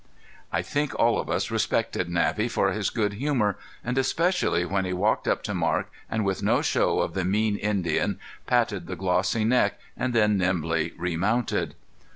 I think all of us respected Navvy for his good humor, and especially when he walked up to Marc, and with no show of the mean Indian, patted the glossy neck and then nimbly remounted.